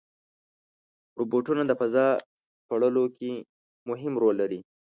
روبوټونه د فضا سپړلو کې مهم رول لري.